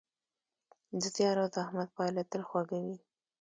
د زیار او زحمت پایله تل خوږه وي.